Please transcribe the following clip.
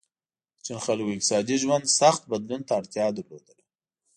د چین خلکو اقتصادي ژوند سخت بدلون ته اړتیا لرله.